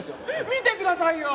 見てくださいよ！